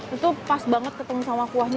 itu pas banget ketemu sama kuahnya